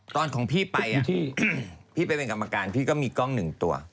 ตอนของพี่ไปพี่ไปเป็นกรรมการพี่ก็มีกล้องหนึ่งตัว